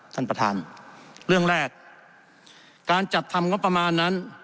ท่านประธานเรื่องแรกการจัดทำงบประมาณนั้น